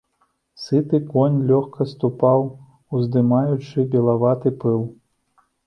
Сыты конь лёгка ступаў, уздымаючы белаваты пыл.